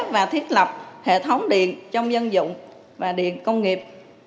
và thiết lập hệ thống điện trong dân dụng và điện công nghiệp